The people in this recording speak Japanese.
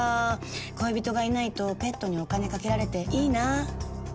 恋人がいないとペットにお金かけられていいな」。